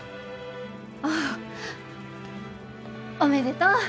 あっおめでとう。